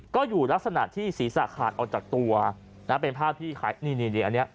ก็อยู่ลักษณะที่ศีรษะขาดออกจากตัวนะเป็นภาพที่ขายนี่นี่อันนี้